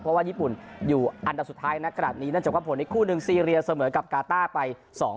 เพราะว่าญี่ปุ่นอยู่อันดับสุดท้ายกลับนี้นัดจบความความผลในคู่นึงซีเรียสเสมอกับการ์ต้ายไป๒๒